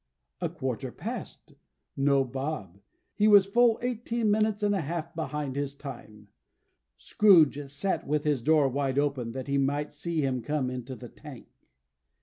A quarter past. No Bob. He was full eighteen minutes and a half behind his time. Scrooge sat with his door wide open, that he might see him come into the Tank.